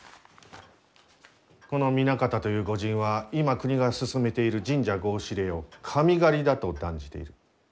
この南方という御仁は今国が進めている神社合祀令を「神狩り」だと断じている。